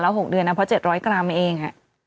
๖เดือนนะเพราะ๗๐๐กรัมเอง